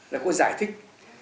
là cô giải thích